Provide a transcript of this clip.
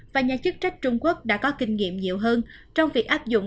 và nhà chức trách trung quốc đã có kinh nghiệm nhiều hơn trong việc áp dụng